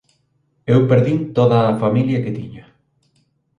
Eu perdín toda a familia que tiña.